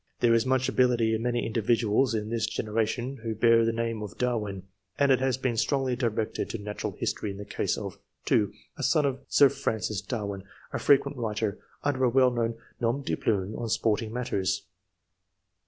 There is much ability in many individuals in this gene ration who bear the name of Darwin, and it haa been strongly directed to natural history in the case of (2) a son of Sir Francis Darwin, a fre quent writer, under a well known nom de plume, on sporting matters.